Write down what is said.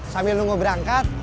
sambil nunggu berangkat